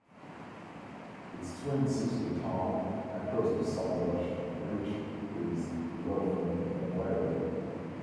Its twin sister-town across the Salzach Bridge is Laufen in Bavaria.